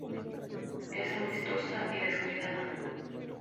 Es amistosa y descuidada.